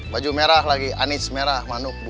baju merah lagi anis merah manuk bu